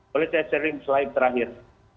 boleh saya sharing slide terakhir